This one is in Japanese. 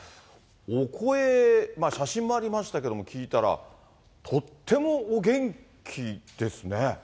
お声、写真もありましたけれども、聞いたら、とってもお元気ですね。